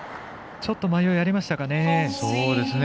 ちょっと迷いがありましたかね。